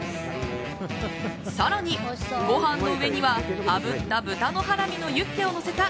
更に、ご飯の上にはあぶった豚のハラミのユッケをのせた